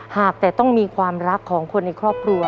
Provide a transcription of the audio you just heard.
หากแต่ต้องมีความรักของคนในครอบครัว